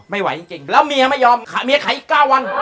ไม่ไหวจริงแล้วเมียไม่ยอมขายเมียขายอีก๙วัน